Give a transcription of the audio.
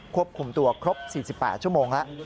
ควบคุมตัวครบ๔๘ชั่วโมงแล้ว